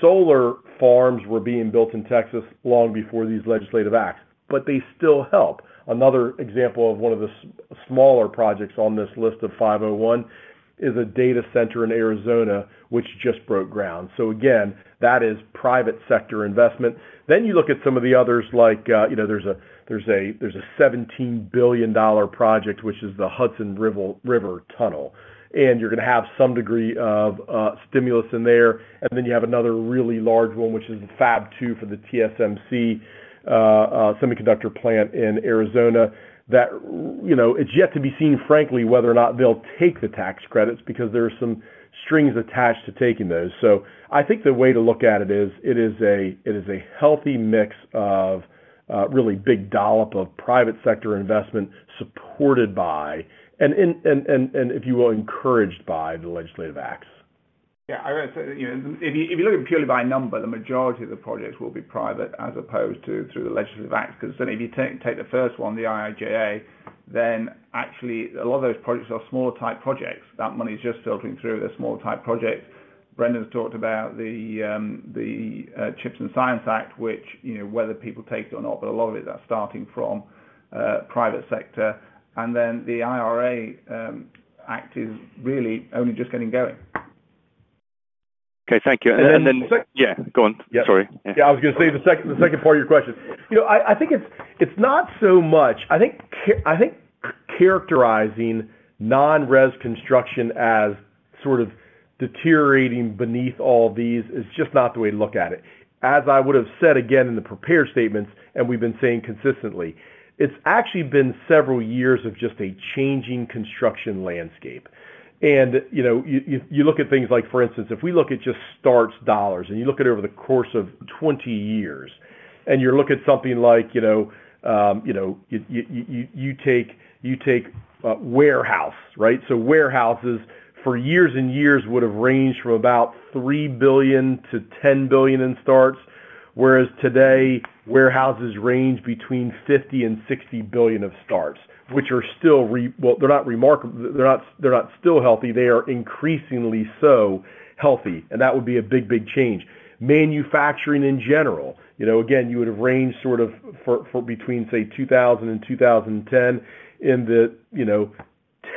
solar farms were being built in Texas long before these legislative acts, but they still help. Another example of one of the smaller projects on this list of 501 is a data center in Arizona, which just broke ground. So again, that is private sector investment. Then you look at some of the others, like, you know, there's a $17 billion project, which is the Hudson River Tunnel, and you're gonna have some degree of stimulus in there. And then you have another really large one, which is the Fab 2 for the TSMC semiconductor plant in Arizona, that you know, it's yet to be seen, frankly, whether or not they'll take the tax credits, because there are some strings attached to taking those. So I think the way to look at it is, it is a healthy mix of really big dollop of private sector investment, supported by, and, and if you will, encouraged by the legislative acts. Yeah, I would say, you know, if you, if you look at it purely by number, the majority of the projects will be private, as opposed to through the legislative acts. 'Cause then if you take the first one, the IIJA, then actually a lot of those projects are smaller type projects. That money is just filtering through the smaller type projects. Brendan's talked about the CHIPS and Science Act, which, you know, whether people take it or not, but a lot of it are starting from private sector. And then the IRA Act is really only just getting going. Okay, thank you. And then, yeah, go on. Sorry. Yeah, I was going to say the second part of your question. You know, I think it's not so much. I think characterizing non-res construction as sort of deteriorating beneath all these is just not the way to look at it. As I would have said again in the prepared statements, and we've been saying consistently, it's actually been several years of just a changing construction landscape. And, you know, you look at things like, for instance, if we look at just starts dollars, and you look at it over the course of 20 years, and you look at something like, you know, you take warehouse, right? So warehouses for years and years would have ranged from about $3 billion-$10 billion in starts, whereas today, warehouses range between $50 billion-$60 billion of starts, which are still. Well, they're not remarkable. They're not, they're not still healthy. They are increasingly so healthy, and that would be a big, big change. Manufacturing in general, you know, again, you would have ranged sort of for between, say, 2000-2010 in the, you know,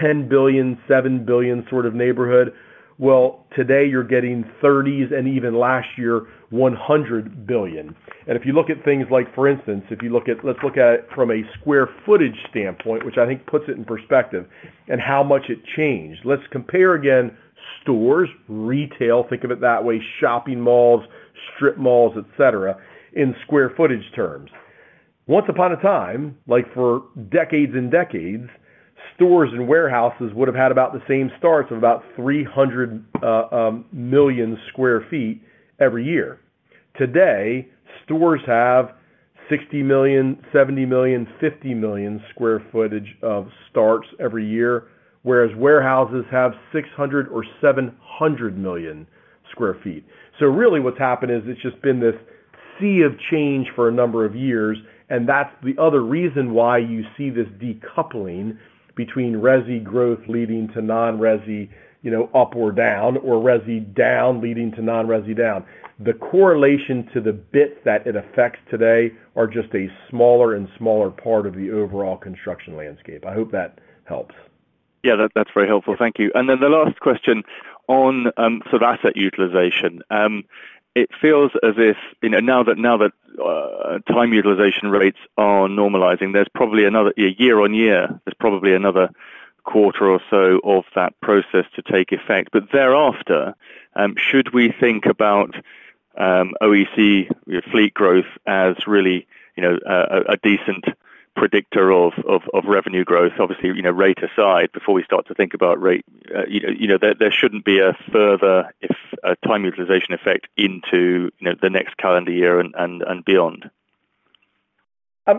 $10 billion, $7 billion sort of neighborhood. Well, today you're getting $30 billion and even last year, $100 billion. And if you look at things like, for instance, if you look at... Let's look at from a square footage standpoint, which I think puts it in perspective and how much it changed. Let's compare, again, stores, retail, think of it that way, shopping malls, strip malls, et cetera, in square footage terms. Once upon a time, like for decades and decades, stores and warehouses would have had about the same starts of about 300 million sq ft every year. Today, stores have 60 million, 70 million, 50 million sq ft of starts every year, whereas warehouses have 600 or 700 million sq ft. So really what's happened is it's just been this sea of change for a number of years, and that's the other reason why you see this decoupling between resi growth leading to non-resi, you know, up or down, or resi down leading to non-resi down. The correlation to the bit that it affects today are just a smaller and smaller part of the overall construction landscape. I hope that helps. Yeah, that's very helpful. Thank you. And then the last question on sort of asset utilization. It feels as if, you know, now that time utilization rates are normalizing, there's probably another year-on-year, there's probably another quarter or so of that process to take effect. But thereafter, should we think about OEC, your fleet growth as really, you know, a decent predictor of revenue growth? Obviously, you know, rate aside, before we start to think about rate, you know, there shouldn't be a further time utilization effect into, you know, the next calendar year and beyond.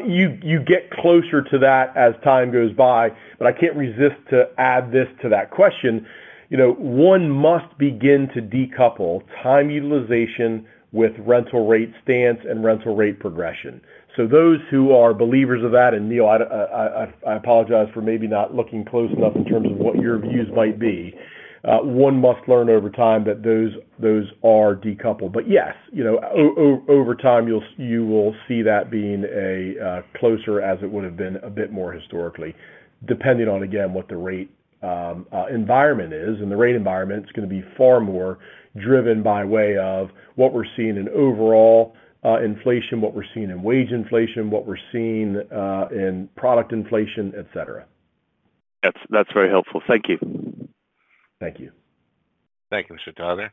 You get closer to that as time goes by, but I can't resist to add this to that question. You know, one must begin to decouple time utilization with rental rate stance and rental rate progression. So those who are believers of that, and Neil, I apologize for maybe not looking close enough in terms of what your views might be. One must learn over time that those are decoupled. But yes, you know, over time, you will see that being closer as it would have been a bit more historically, depending on, again, what the rate environment is, and the rate environment is going to be far more driven by way of what we're seeing in overall inflation, what we're seeing in wage inflation, what we're seeing in product inflation, et cetera. That's very helpful. Thank you. Thank you. Thank you, Mr. Tyler.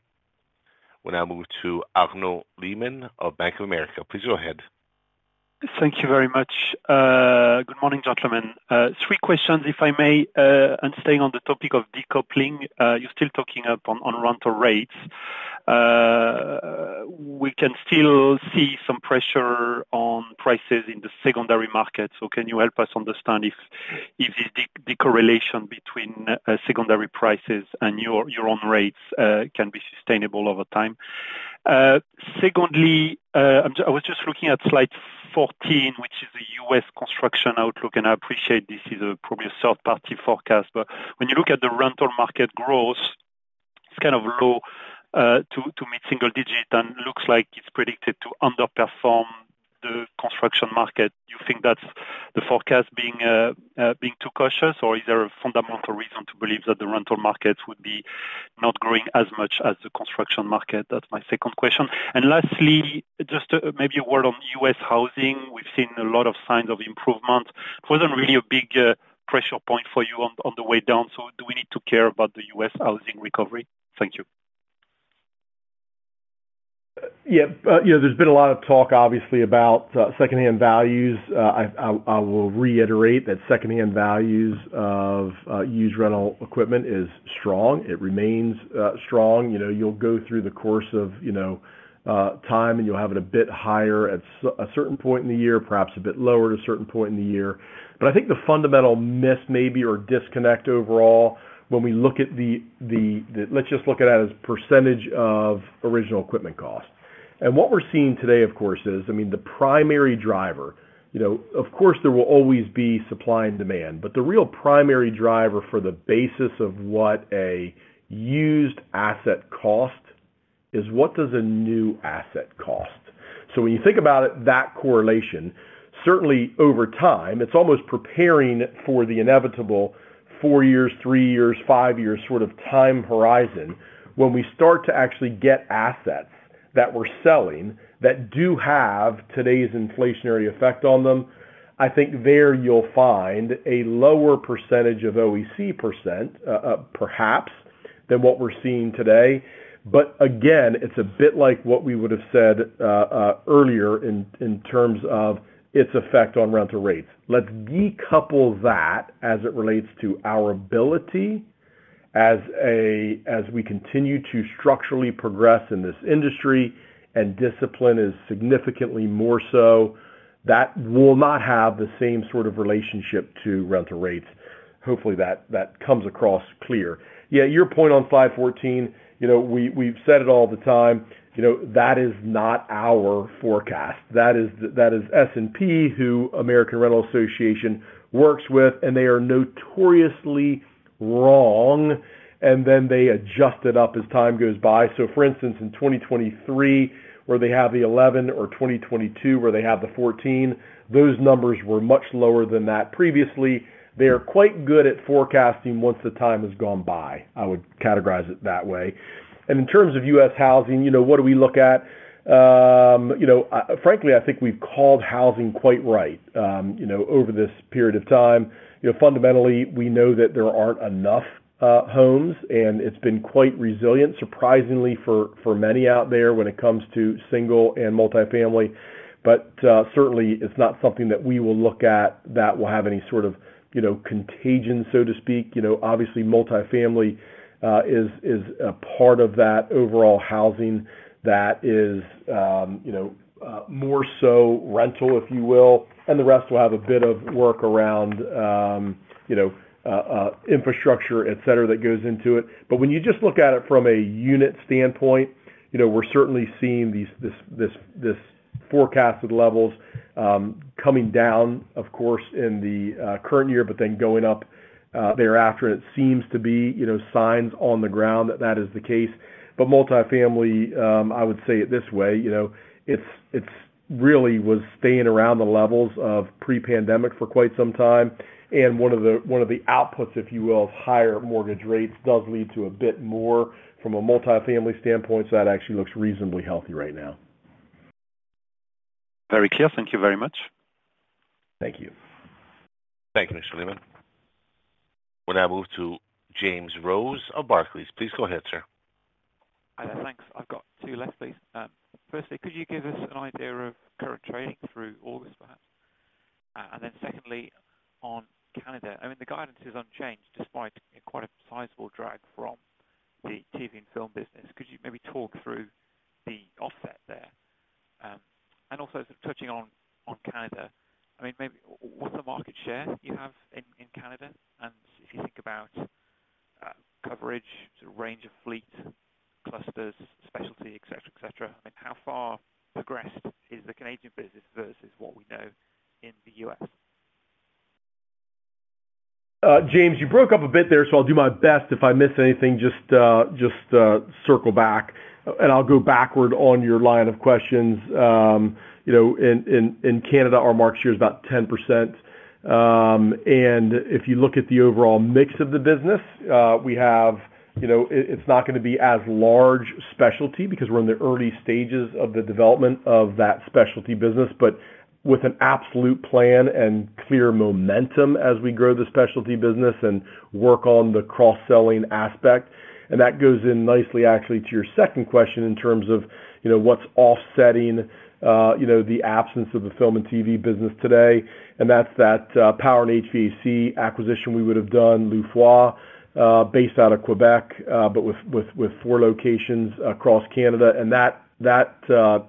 We'll now move to Arnaud Lehmann of Bank of America. Please go ahead. Thank you very much. Good morning, gentlemen. Three questions, if I may, and staying on the topic of decoupling. You're still talking up on rental rates. We can still see some pressure on prices in the secondary market, so can you help us understand if the de-correlation between secondary prices and your own rates can be sustainable over time? Secondly, I was just looking at slide 14, which is the U.S. construction outlook, and I appreciate this is probably a third-party forecast. But when you look at the rental market growth, it's kind of low to mid-single digit, and looks like it's predicted to underperform the construction market. Do you think that's the forecast being too cautious, or is there a fundamental reason to believe that the rental markets would be not growing as much as the construction market? That's my second question. And lastly, just maybe a word on U.S. housing. We've seen a lot of signs of improvement. It wasn't really a big pressure point for you on the way down, so do we need to care about the U.S. housing recovery? Thank you. Yeah, you know, there's been a lot of talk, obviously, about secondhand values. I will reiterate that secondhand values of used rental equipment is strong. It remains strong. You know, you'll go through the course of, you know, time, and you'll have it a bit higher at a certain point in the year, perhaps a bit lower at a certain point in the year. But I think the fundamental miss maybe or disconnect overall, when we look at the, let's just look at it as percentage of original equipment cost. And what we're seeing today, of course, is, I mean, the primary driver, you know, of course, there will always be supply and demand, but the real primary driver for the basis of what a used asset cost is what does a new asset cost? So when you think about it, that correlation, certainly over time, it's almost preparing for the inevitable four years, three years, five years sort of time horizon, when we start to actually get assets that we're selling that do have today's inflationary effect on them. I think there you'll find a lower percentage of OEC percent, perhaps, than what we're seeing today. But again, it's a bit like what we would have said earlier in terms of its effect on rental rates. Let's decouple that as it relates to our ability as we continue to structurally progress in this industry, and discipline is significantly more so, that will not have the same sort of relationship to rental rates. Hopefully, that comes across clear. Yeah, your point on slide 14, you know, we've said it all the time, you know, that is not our forecast. That is, that is S&P, who American Rental Association works with, and they are notoriously wrong, and then they adjust it up as time goes by. So for instance, in 2023, where they have the 11 or 2022, where they have the 14, those numbers were much lower than that previously. They are quite good at forecasting once the time has gone by. I would categorize it that way. And in terms of U.S. housing, you know, what do we look at? Frankly, I think we've called housing quite right, you know, over this period of time. You know, fundamentally, we know that there aren't enough homes, and it's been quite resilient, surprisingly, for many out there when it comes to single and multifamily. But certainly it's not something that we will look at that will have any sort of, you know, contagion, so to speak. You know, obviously, multifamily is a part of that overall housing that is, you know, more so rental, if you will, and the rest will have a bit of work around, you know, infrastructure, et cetera, that goes into it. But when you just look at it from a unit standpoint, you know, we're certainly seeing these forecasted levels coming down, of course, in the current year, but then going up thereafter. It seems to be, you know, signs on the ground that that is the case. But multifamily, I would say it this way: you know, it's really was staying around the levels of pre-pandemic for quite some time, and one of the outputs, if you will, of higher mortgage rates, does lead to a bit more from a multifamily standpoint. So that actually looks reasonably healthy right now. Very clear. Thank you very much. Thank you. Thank you, Mr. Lehmann. We'll now move to James Rose of Barclays. Please go ahead, sir. Thanks. I've got two left, please. Firstly, could you give us an idea of current trading through August, perhaps? And then secondly, on Canada, I mean, the guidance is unchanged, despite quite a sizable drag from the TV and film business. Could you maybe talk through the offset there? And also touching on, on Canada, I mean, maybe what's the market share you have in, in Canada? And if you think about, coverage, range of fleet, clusters, specialty, et cetera, et cetera, I mean, how far progressed is the Canadian business versus what we know in the U.S.? James, you broke up a bit there, so I'll do my best. If I miss anything, just, just, circle back, and I'll go backward on your line of questions. You know, in Canada, our market share is about 10%. And if you look at the overall mix of the business, we have, you know, it, it's not gonna be as large specialty because we're in the early stages of the development of that specialty business, but with an absolute plan and clear momentum as we grow the specialty business and work on the cross-selling aspect. And that goes in nicely, actually, to your second question in terms of, you know, what's offsetting, you know, the absence of the film and TV business today, and that's that, power and HVAC acquisition we would have done, Loue Froid, based out of Quebec, but with four locations across Canada. And that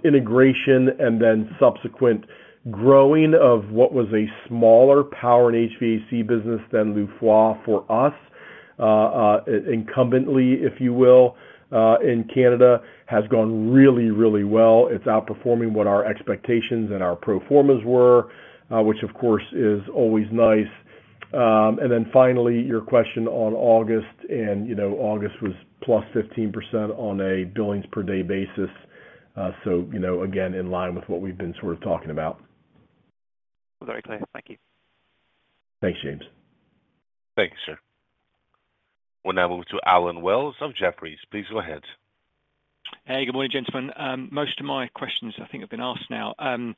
integration and then subsequent growing of what was a smaller power and HVAC business than Loue Froid for us, incrementally, if you will, in Canada, has gone really, really well. It's outperforming what our expectations and our pro formas were, which, of course, is always nice. And then finally, your question on August, and, you know, August was +15% on a billings-per-day basis. So, you know, again, in line with what we've been sort of talking about. Very clear. Thank you. Thanks, James. Thank you, sir. We'll now move to Allen Wells of Jefferies. Please go ahead. Hey, good morning, gentlemen. Most of my questions I think have been asked now. Just, I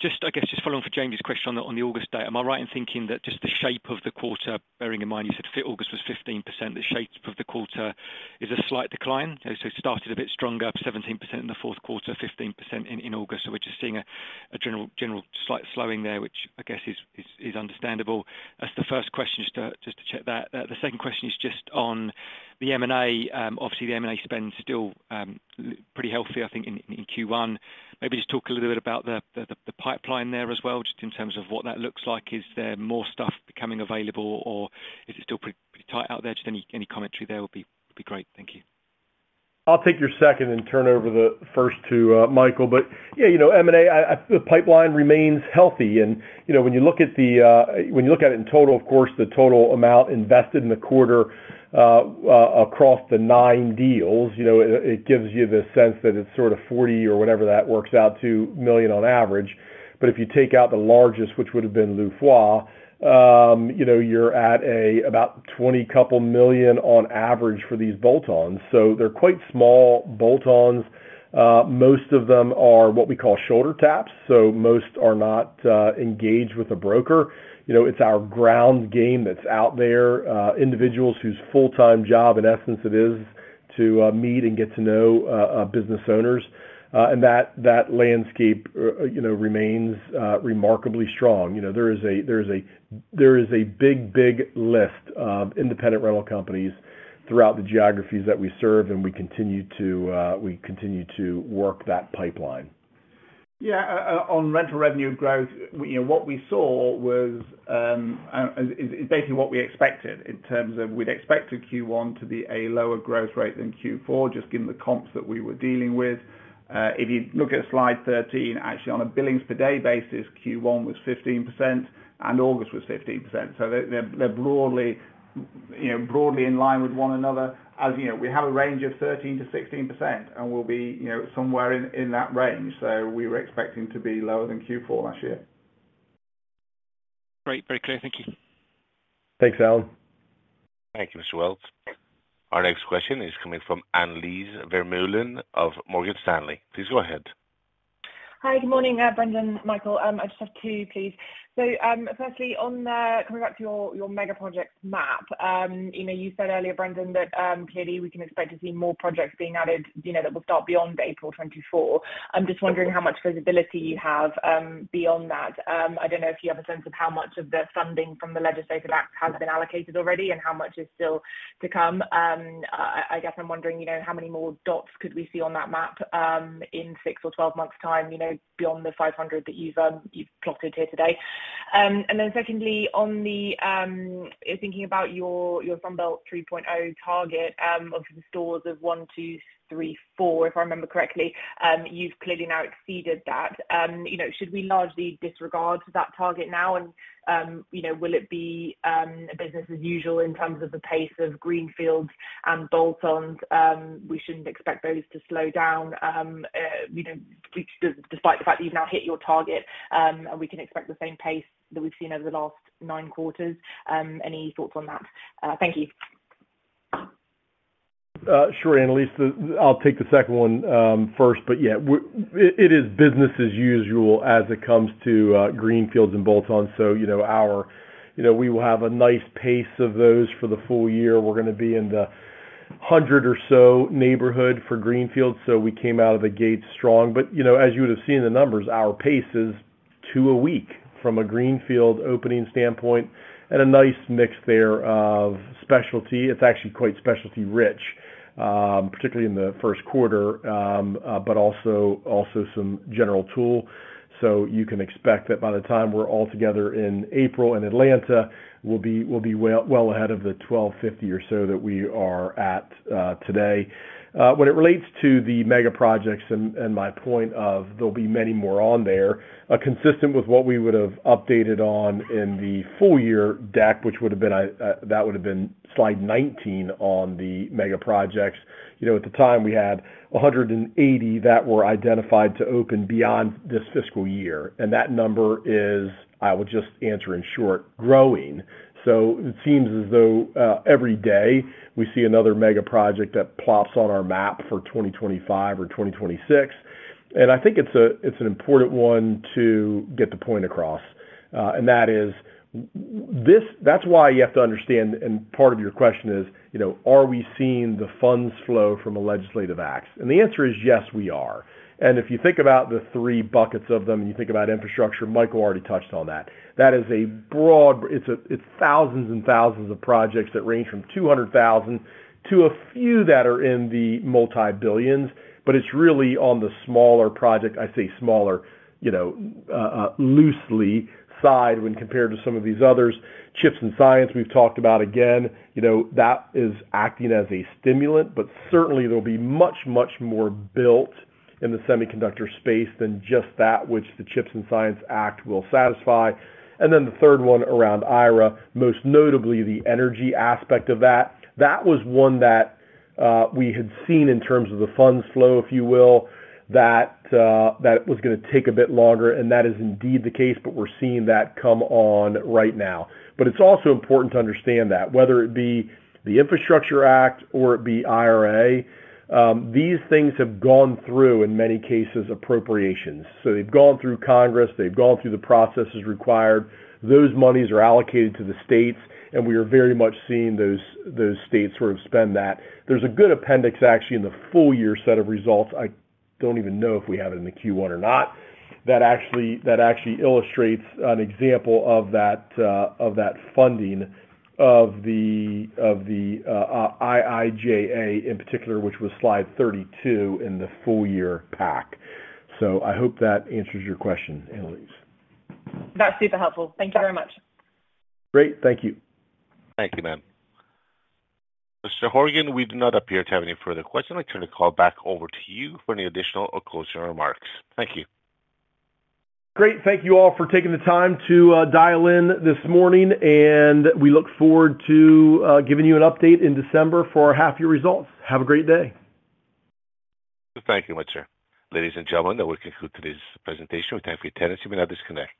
guess, just following for James's question on the, on the August date, am I right in thinking that just the shape of the quarter, bearing in mind you said fiscal August was 15%, the shape of the quarter is a slight decline? So it started a bit stronger, 17% in the fourth quarter, 15% in, in August. So we're just seeing a, a general, general slight slowing there, which I guess is, is, is understandable. That's the first question, just to, just to check that. The second question is just on the M&A. Obviously the M&A spend is still, pretty healthy, I think, in, in Q1. Maybe just talk a little bit about the pipeline there as well, just in terms of what that looks like. Is there more stuff becoming available, or is it still pretty tight out there? Just any commentary there would be great. Thank you. I'll take your second and turn over the first to, Michael. But yeah, you know, M&A, the pipeline remains healthy. You know, when you look at it in total, of course, the total amount invested in the quarter, across the 9 deals, you know, it gives you the sense that it's sort of $40 or whatever that works out to million on average. But if you take out the largest, which would have been Loue Froid, you know, you're at about $20 couple million on average for these bolt-ons. So they're quite small bolt-ons. Most of them are what we call shoulder taps, so most are not engaged with a broker. You know, it's our ground game that's out there, individuals whose full-time job, in essence, it is to meet and get to know business owners. And that landscape, you know, remains remarkably strong. You know, there is a big, big list of independent rental companies throughout the geographies that we serve, and we continue to work that pipeline. Yeah, on rental revenue growth, we, you know, what we saw was basically what we expected in terms of we'd expect a Q1 to be a lower growth rate than Q4, just given the comps that we were dealing with. If you look at Slide 13, actually, on a billings per day basis, Q1 was 15%, and August was 15%. So they're broadly, you know, broadly in line with one another. As you know, we have a range of 13%-16%, and we'll be, you know, somewhere in that range. So we were expecting to be lower than Q4 last year. Great. Very clear. Thank you. Thanks, Allen. Thank you, Mr. Wells. Our next question is coming from Annelies Vermeulen of Morgan Stanley. Please go ahead. Hi, good morning, Brendan, Michael. I just have two, please. So, firstly, on the coming back to your megaproject map, you know, you said earlier, Brendan, that clearly we can expect to see more projects being added, you know, that will start beyond April 2024. I'm just wondering how much visibility you have beyond that. I don't know if you have a sense of how much of the funding from the legislative act has been allocated already and how much is still to come. I guess I'm wondering, you know, how many more dots could we see on that map in six or 12 months time, you know, beyond the 500 that you've plotted here today? Then secondly, in thinking about your Sunbelt 3.0 target of the stores of 1,234, if I remember correctly, you've clearly now exceeded that. You know, should we largely disregard that target now? You know, will it be a business as usual in terms of the pace of greenfields and bolt-ons? We shouldn't expect those to slow down, you know, despite the fact that you've now hit your target, and we can expect the same pace that we've seen over the last nine quarters. Any thoughts on that? Thank you. Sure, Annelies. I'll take the second one first, but yeah, it is business as usual as it comes to greenfields and bolt-ons. So, you know, we will have a nice pace of those for the full year. We're gonna be in the 100 or so neighborhood for greenfield, so we came out of the gate strong. But, you know, as you would have seen in the numbers, our pace is two a week from a greenfield opening standpoint and a nice mix there of specialty. It's actually quite specialty-rich, particularly in the first quarter, but also some general tool. So you can expect that by the time we're all together in April in Atlanta, we'll be well ahead of the 1,250 or so that we are at today. When it relates to the mega projects, and my point of there'll be many more on there, are consistent with what we would have updated on in the full year deck, which would have been slide 19 on the mega projects. You know, at the time, we had 180 that were identified to open beyond this fiscal year, and that number is, I would just answer in short, growing. So it seems as though every day we see another mega project that plops on our map for 2025 or 2026, and I think it's an important one to get the point across. And that is, that's why you have to understand, and part of your question is, you know, are we seeing the funds flow from a legislative act? And the answer is, yes, we are. If you think about the three buckets of them, and you think about infrastructure, Michael already touched on that. That is broad. It's thousands and thousands of projects that range from $200,000 to a few that are in the multi-$billions, but it's really on the smaller project. I say smaller, you know, loosely side when compared to some of these others. CHIPS and Science, we've talked about again, you know, that is acting as a stimulant, but certainly there'll be much, much more built in the semiconductor space than just that which the CHIPS and Science Act will satisfy. And then the third one around IRA, most notably the energy aspect of that. That was one that we had seen in terms of the funds flow, if you will, that that was gonna take a bit longer, and that is indeed the case, but we're seeing that come on right now. But it's also important to understand that whether it be the Infrastructure Act or it be IRA, these things have gone through, in many cases, appropriations. So they've gone through Congress, they've gone through the processes required. Those monies are allocated to the states, and we are very much seeing those states sort of spend that. There's a good appendix, actually, in the full year set of results. I don't even know if we have it in the Q1 or not. That actually illustrates an example of that funding of the IIJA in particular, which was slide 32 in the full year pack. So I hope that answers your question, Annelies. That's super helpful. Thank you very much. Great. Thank you. Thank you, ma'am. Mr. Horgan, we do not appear to have any further questions. I turn the call back over to you for any additional or closing remarks. Thank you. Great. Thank you all for taking the time to dial in this morning, and we look forward to giving you an update in December for our half-year results. Have a great day. Thank you much, sir. Ladies and gentlemen, that will conclude today's presentation. Thank you for your attendance, you may now disconnect.